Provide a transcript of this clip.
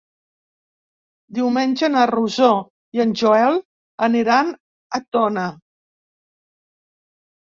Diumenge na Rosó i en Joel aniran a Tona.